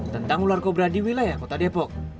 tentang ular kobra di wilayah kota depok